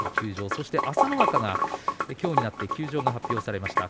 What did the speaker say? そして朝乃若が今日になって休場が発表されました。